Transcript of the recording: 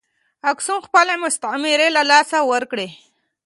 اکسوم خپلې مستعمرې له لاسه ورکړې.